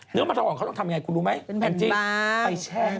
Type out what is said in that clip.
เนื้อมะละกอเขาต้องทำยังไงคุณรู้ไหมเป็นแผ่นบาป